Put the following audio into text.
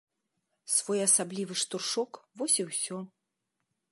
Своеасаблівы штуршок, вось і ўсё.